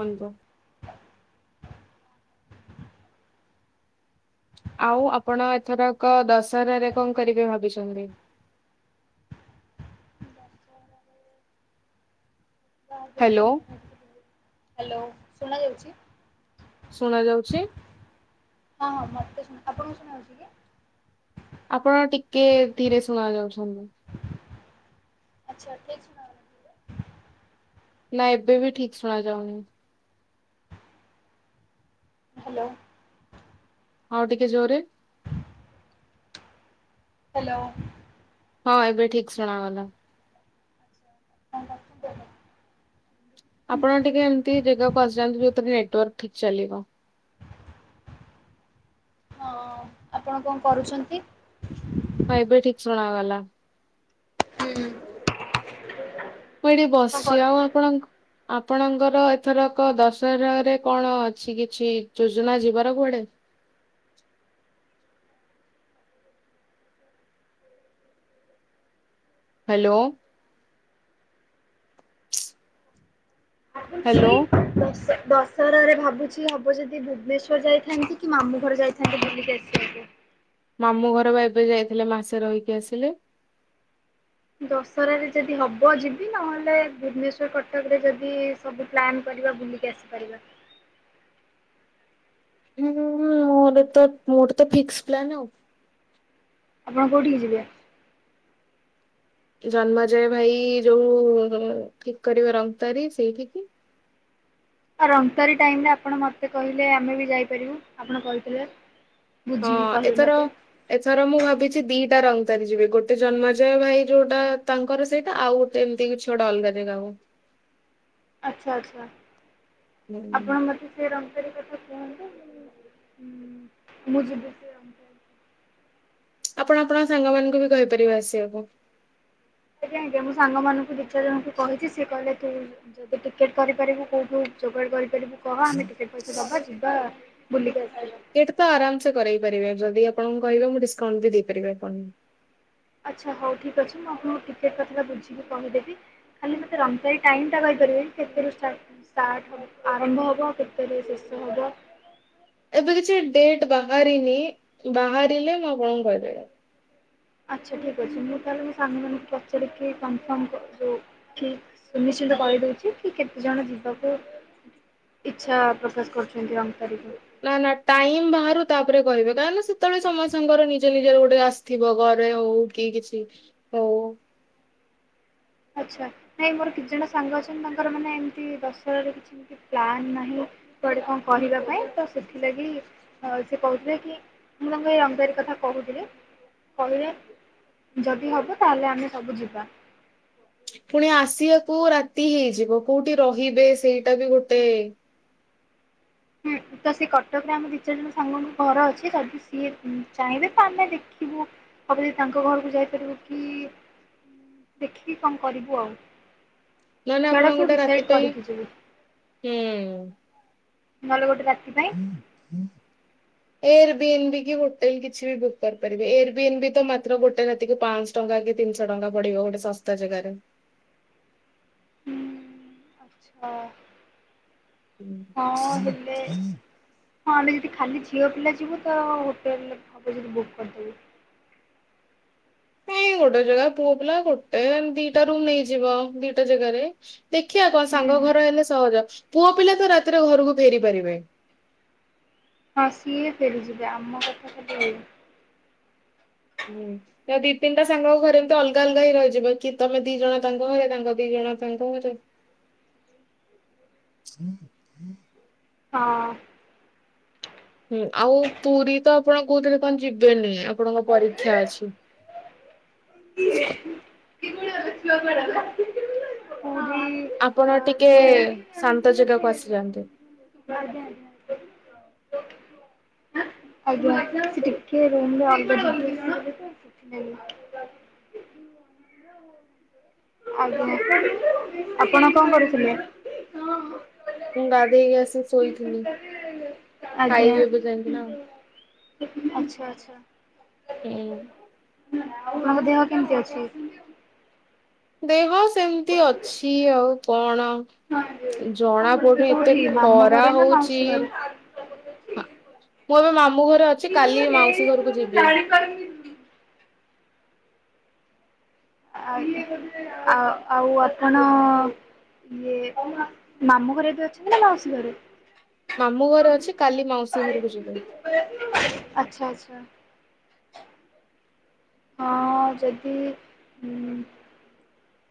ପନ୍ [inaudible] ଆଉ ଆପଣ ଏଥରକ ଦଶହରାରେ କଣ କରିବେ ଭାବିଛନ୍ତି? Hello hello! ଶୁଣ ଯାଉଛି। ଶୁଣ ଯାଉଛି। ହଁ- ହଁ ମତେ ଶୁଣା ଆପଣଙ୍କୁ ଶୁଣାଯାଉଛି କି? ଆପଣ ଟିକେ ଧୀରେ ଶୁଣା ଯାଉଛନ୍ତି। ଆଚ୍ଛା! ଠିକ ଶୁଣାଯାଉଛି। ନା ଏବେ ବି ଠିକ୍ ଶୁଣା ଯାଉନି। ହ୍ୟାଲୋ! ଆଉ ଟିକେ ଜୋରେ ହ୍ୟାଲୋ! ହଁ, ଏବେ ଠିକ ଶୁଣାଗଲା। କଣ ଦେଖୁଥୁଲୁ? ଆପଣ ଟିକେ ଏମିତି ଜାଗାକୁ ଆସିଯାନ୍ତୁ ଯୋଉଥିରେ ନେଟୱାର୍କ ଠିକ୍ ଚାଲିବ। ହଁ ଆପଣ କଣ କରୁଚନ୍ତି? ହଁ ଏବେ ଠିକ୍ ଶୁଣ ଗଲା। ହୁଁ। ମୁଁ ଏଇଠି କଣ ବସିଚି ଆଉ କରୁଛନ୍ତି? ଆପଣ ଆପଣଙ୍କର ଏଥରକ ଦଶହରରେ କଣ ଅଛି କିଛି ଯୋଜନା ଯିବାର କୁଆଡେ? ହ୍ୟାଲୋ। ଆପଣ ହ୍ୟାଲୋ ସେଇ ଦଶ ଦ ଶହରାରେ ଭାବୁଚି ହବ ଯଦି ଭୁବନେଶ୍ୱର ଯାଇଥାନ୍ତି କି ମାମୁଁ ଘର ଯାଇଥାନ୍ତି ବୁଲିକି ଆସିବାକୁ। ମାମୁଁ ଘର ବା ଏବେ ଯାଇଥିଲେ ମାସେ ରହିକି ଆସିଲେ। ଦଶହରାରେ ଯଦି ହବ ଯିବି ନହେଲେ ଭୁବନେଶ୍ଵର କଟକ ରେ ଯଦି ସବୁ ପ୍ଲାନ୍ କରିବା ବୁଲିକି ଆସିପାରିବା। ହୁଁ ହୁଁ ହୁଁ। ମୋର ତ ମୋର ତ ଫିକ୍ସ ପ୍ଲାନ୍ ଆଉ। ଆପଣ କୋଉଠିକି ଯିବେ? ଜନ୍ମଜୟ ଭାଇ ଯୋଉ ଠିକ୍ କରିବ ରମ୍ପତାରି ସେଇଠି କି। ଆ ରମ୍ପତାରୀ ଟାଇମରେ ଆପଣ ମତେ କହିଲେ ଆମେ ବି ଯାଇପାରିବୁ ଆପଣ କହିଥିଲେ। ହଁ ବୁଝିକି କହିବେ ଏଥର ମତେ। ଏଥର ମୁଁ ଭାବିଚି ଦିଟା ରଙ୍ଗତାରି ଯିବି ଗୋଟେ ଜନ୍ମାଜୟ ଭାଇ ଯୋଉଟା ତାଙ୍କର ସେଇଟା ଆଉ ଯେମିତି କିଛି ଗୋଟେ ଅଲଗାାରେ ଜାଗାକୁ। ଆଚ୍ଛା ଆଚ୍ଛା ହୁଁ ଆପଣ ମତେ ସେ ରମ୍ପତାରୀ କଥା କହନ୍ତୁ ମୁଁ ଯିବି ସେ ରଙ୍ଗତାରୀ। ଆପଣ ଆପଣଙ୍କ ସାଙ୍ଗମାନଙ୍କୁ ବି କହିପାରିବେ ଆସିବାକୁ। ସେଇଥି ପାଇଁ ଯେ ମୁଁ ସାଙ୍ଗମାନଙ୍କୁ ଦିଇ ଚିରାଜଣଙ୍କୁ କହିଚି ସିଏ କହିଲେ କି ଯଦି ଟିକେଟ କରିପାରିବୁ କୋଉଠୁ ଯୋଗାଡ କରିପାରିବୁ। କହ ଆମେ ଟିକେ ପଇସା ଦବା ଯିବା ବୁଲିକି ଆସି ଆଇବା। ଏଇଟା ତ ଆରାମସେ କରେଇ ପାରିବେ ଯଦି ଆପଣଙ୍କୁ କହିବେ ମୁଁ ଡିସକାଉଣ୍ଟ ବି ଦେଇପାରିବି ଆପଣଙ୍କୁ। ଆଚ୍ଛା ହୋଉ ଠିକ୍ ଅଛି। ମୁଁ ଆପଣଙ୍କୁ ଟିକେଟ୍ କଥାଟା ବୁଝିକି କହିଦେବି। ଖାଲି ମତେ ରମ୍ପେଇ ଟାଇମଟା କହିପାରିବେ କି କେତେରୁ ଷ୍ଟାଟ? ଷ୍ଟାର୍ଟ ହ ଆରମ୍ଭ ହବ କେତେବେଳ ଶେଷ ହବ। ଏବେ କିଛି ଡେଟ୍ ବାହାରିନି ବାହାରିଲେ ମୁଁ ଆପଣଙ୍କୁ କହିଦେବି। ଆଚ୍ଛା ଠିକ୍ ଅଛି ମୁଁ ତାହେଲେ ମୋ ସାଙ୍ଗମାନଙ୍କୁ ପଚାରିକି କନଫର୍ମ କୋ ଯୋଉ କି ସୁନିଶ୍ଚିିତ କରିଦୋଉଚି କି କେତେ ଜଣ ଯିବାକୁ ଇଚ୍ଛା ପ୍ରକାଶ କରୁଚନ୍ତି ରମ୍ପାରୀକୁ। ନା ନା ଟାଇମ ବାହାରୁ ତାପରେ କହିବେ କାହିଁକି ନା ସେତବେଳେ ସମସ୍ତଙ୍କର ନିଜ ନିଜର ଗୋଟେ ଆ ଶା ଥିବ ଘରେ ହୋଉ କି କିଛି ହୋଉ। ଆଚ୍ଛା ନାଇଁ ମୋର କିଛି ଜଣ ସାଙ୍ଗ ଅଛନ୍ତି ତାଙ୍କର ମାନେ ଏମିତି ଦଶହରାରେ କିଛି ପ୍ଲାନ ନାହିଁ କୁଆଡେ କଣ କହିବା ପାଇଁ ତ ସେଥିଲାଗି ଆ ସେ କୋହୁଥିଲେ କି ମୁଁ ତାଙ୍କୁ ଏଇ ରମ୍ପତାରୀ କଥା କୋହୁଥିଲି କହିଲେ ଯଦି ହବ ତାହେଲେ ଆମେ ସବୁ ଯିବା। ଫୁଣି ଆସିବାକୁ ରାତି ହେଇଯିବ କୋଉଠି ରହିବେ ସେଇଟା ବି ଗୋଟେ ହୁଁ ତ ସେ କଟକରେ ଆମ ଦିଇ ଚାରି ଜଣ ସାଙ୍ଗଙ୍କ ଘର ଅଛି। ଯଦି ସିଏ ଉଁ ଚାହିଁବେ ତ ଆମେ ଦେଖିବୁ ଅଭି ତାଙ୍କ ଘରକୁ ଯାଇପାରିବୁ କି? ଦେଖିକି କଣ କରିବୁ ଆଉ। ନହେଲେ ସେଗୁଡା ଆପଣ ସବୁ ଗୋଟା ରାତି ଡିସାଇଡ୍ ପାଇଁ କରିକି ଯିବୁ ହୁଁ। ନେହେଲେ ଗୋଟେ ରା ହୁଁ ହୁଁ ଏର ବି ଏମ ବି କି ହୋଟେଲ କିଛି ବି ବୁକ କରିପାରିବେ ଏର ବି ଏମ ବି ତ ମାତ୍ର ଗୋଟେ ରାତିକି ପାଆଁଶ। ଟଙ୍କା କି ତିନିଶ ଟଙ୍କା ପଡିବ ଗୋଟେ ଶସ୍ତା ଜାଗାରେ। ଉଁ ଆଚ୍ଛା। ହଁ ହେଲେ। ହଁ ଆମେ ଯଦି ଖାଲି ଝିଅ ପିଲା ଯିବୁ ତ ହୋଟେଲ ହବ ଯଦି ବୁକ୍ କରିଦବୁ। କାଇଁ ଗୋଟେ ଜାଗା ପୁଅ ପିଲା ଗୋଟେ ଦିଟା ରୁମ ନେଇଯିବ ଦିଟା ଜାଗାରେ। ଦେଖିବା କଣ ସାଙ୍ଗ ହୁଁ ଘର ହେଲେ ସହଜ ପୁଅ ପିଲା ତ ରାତିରେ ଘରକୁ ଫେରି ପାରିବେ। ହଁ ସିଏ ଫେରିଯିବେ ଆମ କଥା ଖାଲି। ହୁଁ। ୟା ଦି ତିନିଟା ସାଙ୍ଗଙ୍କ ଘରେ ଏମିତି ଅଲଗା ଅଲଗା ହିଁ ରହି ଯିବେ କି ତମେ ଦି ଜଣ ତାଙ୍କ ଘରେ ତାଙ୍କ ଦି ଜଣ ତାଙ୍କ ଘରେ। ହୁଁ [inaudible] ହଁ। ହୁଁ ଆଉ ପୁରୀ ତ ଆପଣ କୋଉଥିଲେ କଁ ଯିବେନି ଆପଣଙ୍କ ପରୀକ୍ଷା ଅଛି। କିଏ। [unintelligible] ଆପଣ ଟିକେ ଯୋଉ ଶାନ୍ତ ଜାଗାକୁ ଆସିଯାନ୍ତୁ। ଆଜ୍ଞା ଆଜ୍ଞା। ଆଜ୍ଞ ସେ ଟିକେ ରୁମ ରୁ ଅଲଗା ଦିଦି ଆସିଗଲେ ତ ସେଥିପାଇଁ। ଆଜ୍ଞା ଆପଣ କଣ କରୁଥିଲେ? ମୁଁ ଗାଧେଇ‌କି ଆସି ଶୋଇଥିଲି। ଆଜ୍ଞା ଖାଇବି ଏବେ ଯାଇକି ନା ହୁଁ। ଆଚ୍ଛା ଆଚ୍ଛା। ହୁଁ। ତମ ଦେହ କେମିତି ଅଛି? ଦେହ ସେମିତି ଅଛି ଆଉ କଣ? ଜଣା ଆପଣ ଏବେ ପଡୁନି ଏତେ କୋଉଠି ମାମୁଁ ଖରା ଘରେ ନା ହଉଛି। ମାଉସୀ ଘରେ? ମୁଁ ଏବେ ମାମୁଁ ଘରେ ଅଛି କାଲି ମାଉସୀ ଘରକୁ ଯିବି। [unintelligible] ଆ ଆ ଆଉ ଅପଣ। ଇଏ ମାମୁଁ ଘରେ ଏବେ ଅଛନ୍ତି ନା ମାଉସୀ ଘରେ। ମାମୁଁ ଘରେ ଅଛି କାଲି ମାଉସୀ ଘରକୁ ଯିବି। ଆଚ୍ଛା ଆଚ୍ଛା। ହଁ ଯିଦି ହୁଁ।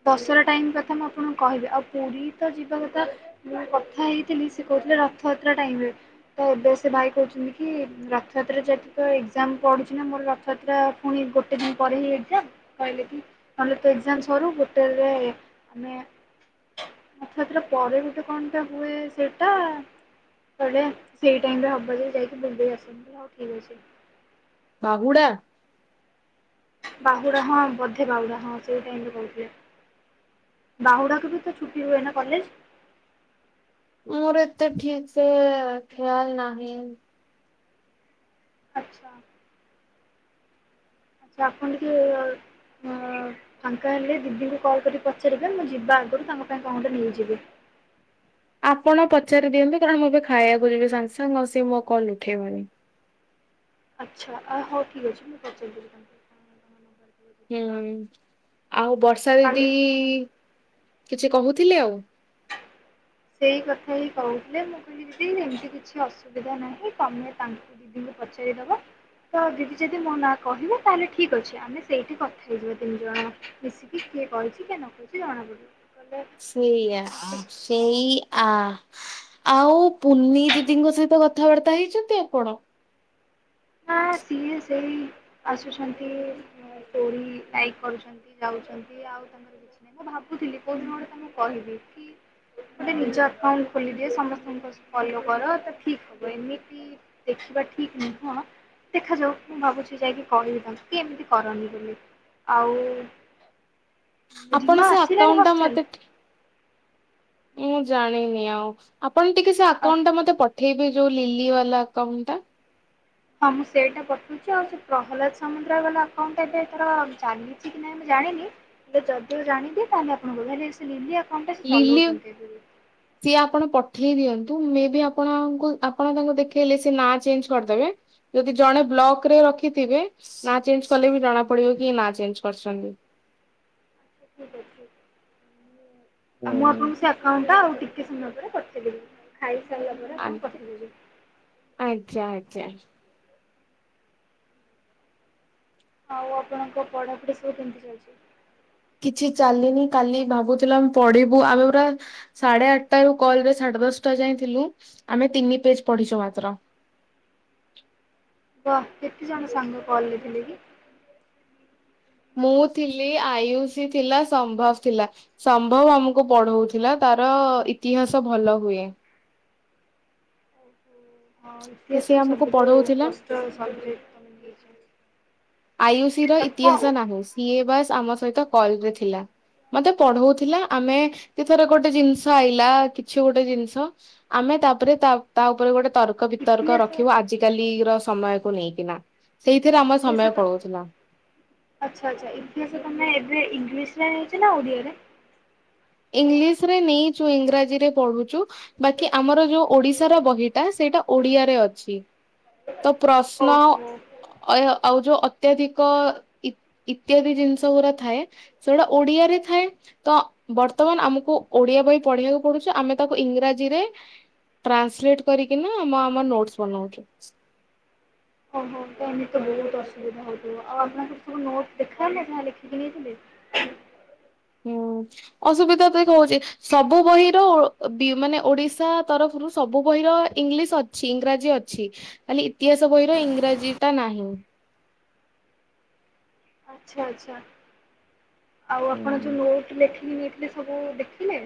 ଦଶରା ଟାଇମ କଥା ମୁଁ ଆପଣଙ୍କୁ କହିବି ଆଉ ପୁରୀ ତ ଯିବା କଥା। ମୁଁ କଥା ହେଇଥିଲି ସେ କହୁଥିଲେ ରଥଯାତ୍ରା ଟାଇମ ରେ ତ ଏବେ ସେ ଭାଇ କହୁଛନ୍ତି କି? ରଥଯାତ୍ରା ଯଦି ତ ଏକ୍ଜାମ ପଡ଼ୁଛି ନା ମୋର ରଥଯାତ୍ରା ପୁଣି ଗୋଟେ ଦିନ ପରେ ହିଁ ଏକ୍ଜାମ। କହିଲେ କି ନହେଲେ ତ ଏକ୍ଜାମ ସରୁ ହୋଟେଲ ରେ ଆମେ ରଥଯାତ୍ରା ପରେ ଗୋଟେ କଣ ଟା ହୁଏ ସେଇଟା। କହିଲେ ସେଇ ଟାଇମ ରେ ହବ ଯଦି ଯାଇକି ବୁଲି ଦେଇକି ଆସିବୁ ମୁଁ କହିଲି ହଉ ଠିକ ଅଛି। ବାହୁଡା। ବାହୁଡା ହଁ ବୋଧେ ବାହୁଡା ହଁ ସେଇଟାଇମ ରେ କହୁଥିଲେ। ବାହୁଡା କୁ ବି ତ ଛୁଟି ହୁଏ ନା କଲେଜ? ମୋର ଏତେ ଠିକ ସେ ଖେୟାଲ ନାହିଁ। ଆଚ୍ଛା। ତ ଆପଣ ଟିକେ ଫାଙ୍କା ହେଲେ ଦିଦିଙ୍କୁ କଲ୍ କରି ପଚାରିବେ ମୁଁ ଯିବା ଆଗରୁ ତାଙ୍କ ପାଇଁ କଣ ଗୋଟେ ନେଇଯିବି। ଆପଣ ପଚାରି ଦିଅନ୍ତୁ କାରଣ ମୁଁ ଏବେ ଖାଇବାକୁ ଯିବି ସାଙ୍ଗେ ସାଙ୍ଗେ ଆଉ ସିଏ ମୋ କଲ୍ ଉଠେଇବନି। ଆଚ୍ଛା ଆ ହଉ ଠିକ୍ ଅଛି ମୁଁ ପଛରେ କୋଉଦିନ ହୁଁ ଆଉ ବର୍ଷା ଦିଦି କାଲି କିଛି କହୁଥିଲେ ଆଉ ସେଇ କଥା ହିଁ କହୁଥିଲେ ମୁଁ କହିଲି ଦିଦି ଏମିତି କିଛି ଅସୁବିଧା ନାହିଁ ତମେ ତା ଦିଦିଙ୍କୁ ପଚାରିଦବା। ତ ଦିଦି ଯଦି ମୋ ନା କହିବେ ତାହେଲେ ଠିକ୍ ଅଛି ଆମେ ସେଇଠି କଥା ହେଇଯିବା ତିନି ଜଣ। ମିଶିକି କିଏ କହିଛି କିଏ ନ କହିଛି ଜଣା ପଡିବ ଗଲେ। ସେଇଆ ସେଇ ଆ। ଆଉ ପୁନି ଦିଦିଙ୍କ ସହିତ କଥାବାର୍ତ୍ତା ହେଇଛନ୍ତି ଆପଣ? ନା ସିଏ ସେଇ ଆସୁଛନ୍ତି। ଥୋଡି ଲାଇକ କରୁଛନ୍ତି ଯାଉଛନ୍ତି ଆଉ ତାଙ୍କର କିଛି ନାହିଁ ମୁଁ ଭାବୁଥିଲି କୋଉ ଦିନ ଗୋଟେ ତମକୁ କହିବି କି ଗୋଟେ ନିଜ ଆକାଉଣ୍ଟ ଖୋଲିଦିଏ ସମସ୍ତଙ୍କ ଫଲୋ କର ତ ଠିକ ହବ ଏମିତି। ଦେଖିବା ଠିକ ନୁହଁ ଦେଖାଯାଉ ମୁଁ ଭାବୁଛି ଯାଇକି କହିବି ତାଙ୍କୁ ଏମିତି କରନି ବୋଲି ଆଉ ଆପଣ ରିମା ସେ ଆସିଲାଣି ଆକାଉଣ୍ଟ ଟା ମତେ ହଷ୍ଟେଲ? ମୁଁ ଜାଣିନି ଆଉ ଆପଣ ଟିକେ ସେ ଆକାଉଣ୍ଟ ଟା ମତେ ପ ପଠେଇବେ ଯୋଉ ଲିଲି ବାଲା ଆକାଉଣ୍ଟ ଟା। ହଁ ମୁଁ ସେଇଟା ପଠଉଛି ଆଉ ସେ ପ୍ରହ୍ଲାଦ ସାମନ୍ତରା ବାଲା ଆକାଉଣ୍ଟ ଟା ଏଵେ ଏଥର ଚାଲି ଛି କି ନାଇଁ ମୁଁ ଜାଣିନି ଯଦିଓ ଜାଣିଦିଏ ତାହେଲେ ଆପଣଙ୍କୁ ଭ୍ୟାଲି ସେ ଲିଲି ଆକାଉଣ୍ଟ ଟା ସେ ଲିଲି ଚଲଉଛନ୍ତି ବୋଲି। ସିଏ ଆପଣ ପଠେଇ ଦିଅନ୍ତୁ ମେ ବି ଆପଣଙ୍କୁ ଆପଣ ତାଙ୍କୁ ଦେଖେଇଲେ ସେ ନାଁ ଚେଞ୍ଜ କରିଦେବେ। ଯଦି ଜଣେ ବ୍ଲକ ରେ ରଖିଥିବେ ନା ଚେଞ୍ଜ କଲେ ବି ଜଣା ପଡିବ କି ନା ଚେଞ୍ଜ କରିଛନ୍ତି। ଠିକ ଅଛି। ଆ ଆଉ ମୁଁ ଆପଣଙ୍କୁ ସେ ଆକାଉଣ୍ଟ ଟା ଆଉ ଟିକେ ସମୟ ପରେ ପଠେଇ ଦେବି ଖାଇସାରିଲା ପରେ। ଆପଣଙ୍କୁ ଆଜ୍ଞା ପଠେଇଦେବି। ଆଜ୍ଞା ଆଜ୍ଞା। ଆଉ ଆପଣଙ୍କ ପଢାପୁଢ଼ି ସବୁ କେମିତି ଚାଲିଛି? କିଛି ଚାଲିନି କାଲି ଭାବୁଥିଲା ପଢିବୁ ଆମେ ପୁରା ସାଢେ ଆଠଟା ରୁ କଲ ରେ ସାଢେ ଦଶଟା ଯାଏଁ ଥିଲୁ ଆମେ ତିନି ପେଜ ପଢିଛୁ ମାତ୍ର। ବା କେତେ ଜଣ ସାଙ୍ଗ କଲରେ ଥିଲେ କି? ମୁଁ ଥିଲି ଆୟୁଷି ଥିଲା ସମ୍ଭବ ଥିଲା। ସମ୍ଭବ ଆମକୁ ପଢାଉଥିଲା ତାର ଇତିହାସ ଭଲ ହୁଏ। ହଁ ତ ସିଏ ଇତିହାସ ବି ଆମକୁ ସବୁଠୁ ପଢଉଥିଲା କଷ୍ଟ ସବଜେକ୍ଟ ତମେ ନେଇଛ ଆୟୁସି ର ତାକୁ କଣ ଇତିହାସ ନାହିଁ ସିଏ ବାସ ଆମ ସହିତ କଲରେ ଥିଲା। ମତେ ପଢଉଥିଲା ଆମେ ଯେ ଥର ଗୋଟେ ଜିନିଷ ଆଇଲା କିଛି ଗୋଟେ ଜିନିଷ ଆମେ ତାପରେ ତା ତା ଉପରେ ଗୋଟେ ତର ର୍କ ବିତର୍କ ଇତିହାସ ରଖିବୁ ଆଜିିକାଲି ର ସମୟକୁ ନେଇକିନା ସେଇଥିରେ ଆମର ଇତିହାସ ସମୟ ତ ପଳାଉଥିଲା। ଆଚ୍ଛା ଆଚ୍ଛା ଇତିହାସ ତମେ ଏବେ ଇଂଲିଶ ରେ ନେଇଛ ନା ଓଡିଆରେ? ଇଂଲିଶ ରେ ନେଇଛୁ ଇଂରାଜୀ ରେ ପଢୁଛୁ। ବାକି ଆମର ଯୋଉ ଓଡିଶାର ବହିଟା ସେଇଟା ଓଡିଆରେ ଅଛି। ତ ପ୍ରଶ୍ନ ଓହୋ ଅ ଆଉ ଯୋଉ ଅତ୍ୟଧିକ ଇ ଇତ୍ୟାଦି ଜିନିଷ ଗୁରା ଥାଏ ସେଗୁଡା ଓଡିଆରେ ଥାଏ ତ ବର୍ତ୍ତମାନ ଆମକୁ ଓଡିଆ ବହି ପଢିଆକୁ ପଡୁଛି ଆମେ ତାକୁ ଇଂରାଜୀରେ ଟ୍ରାନ୍ସଲେଟ କରିକି ନା ଆମ ଆମ ନୋଟ୍ ବନଉଛୁ। ଓହୋ ତ ଏମିତି ବହୁତ ଅସୁବିଧା ହଉଥିବ ଆଉ ଆପଣଙ୍କର ସବୁ ନୋଟ୍ ଦେଖା ହେଲେ ଯାହା ଲେଖିକି ନେଇଥିଲେ। ହୁଁ ଅସୁବିଧା ଦେଖ ହଉଛି। ସବୁ ବହିର ମାନେ ଓଡିଶା ତରଫରୁ ସବୁ ବହିର ଇଂଲିଶ ଅ ଛି ଇଂରାଜୀ ଅଛି ଖାଲି ଇତିହାସ ବହିର ଇଂରାଜୀଟା ନାହିଁ। ଆଛା ଆଚ୍ଛା ଆଉ ଆପଣ ଯୋଉ ନୋଟ ଲେଖିକି ନେଇ ସେସବୁ ଦେଖିଲେ।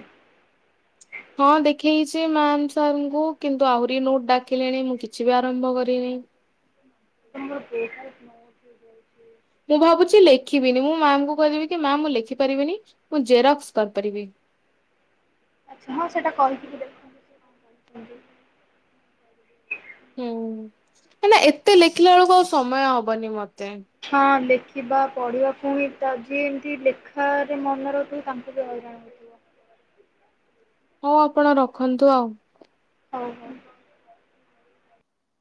ହଁ ଦେଖେଇଛି ମ୍ୟାମ୍ ସାରଙ୍କୁ କିନ୍ତୁ ଆହୁରି ନୋଟ ଡାକିଲେଣି ମୁଁ କିଛି ବି ଆରମ୍ଭ କରିନି। ପସା [unintelligible] ମୁଁ ଭାବୁଛି ଲେଖିବିନି ମୁଁ ମ୍ୟାମଙ୍କୁ କହିଦେବି କି ମ୍ୟାମ ମୁଁ ଲେଖି ପାରିବିନି ମୁଁ ଜେରକ୍ସ କରିପାରିବି। ଆଚ୍ଛା ହଁ ସେଇଟା କହିକି ବି ଦେଖ। ହୁଁ ମାନେ ଏତେ ଲେଖିଲା ବେଳକୁ ଆଉ ସମୟ ହବନି ମତେ। ହଁ ଲେଖିବା ପଢ଼ିବା ପୁଣି ତା ଯିଏ ଏମିତି ଲେଖାରେ ମନେ ରହୁଥିବ ତାଙ୍କୁ ବି ହଇରାଣ ହେଉଥିବ। ହଉ ଆପଣ ରଖନ୍ତୁ ଆଉ। ହୋଉ ହୋଉ।